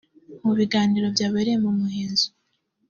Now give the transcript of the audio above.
mu biganiro byabereye mu muhezo